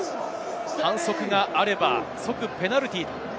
反則があれば即ペナルティー。